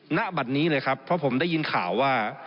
ณบัตรนี้เลยครับเพราะผมได้ยินข่าวว่า